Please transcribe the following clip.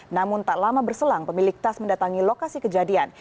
namun tak lama berselang pemilik tas mendatangi lokasi kejadian